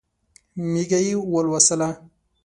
مېږه یې ولوسله.